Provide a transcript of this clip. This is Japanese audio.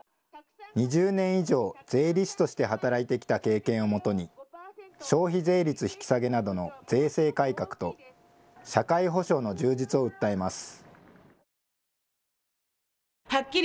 ２０年以上、税理士として働いてきた経験をもとに、消費税率引き下げなどの税制改革と社会保障の充実を訴えます。